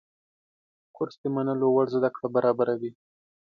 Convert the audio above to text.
کورس د منلو وړ زده کړه برابروي.